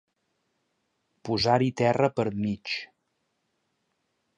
Posar-hi terra per mig.